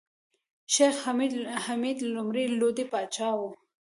شېخ حمید لومړی لودي پاچا وو.